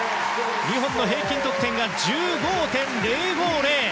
２本の平均得点は１５．０５０！